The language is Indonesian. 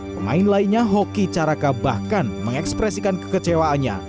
pemain lainnya hoki caraka bahkan mengekspresikan kekecewaannya